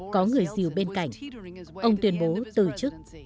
có người rìu bên cạnh ông tuyên bố từ chức